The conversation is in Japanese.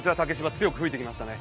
強く吹いてきましたね。